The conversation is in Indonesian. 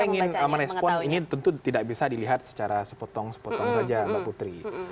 saya ingin merespon ini tentu tidak bisa dilihat secara sepotong sepotong saja mbak putri